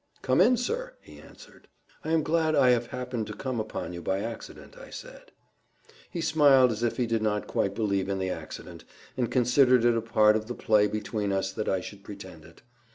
"Come in, sir," he answered. "I am glad I have happened to come upon you by accident," I said. He smiled as if he did not quite believe in the accident, and considered it a part of the play between us that I should pretend it.